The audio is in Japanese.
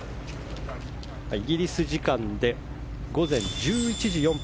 イギリス時間で午前１１時４分。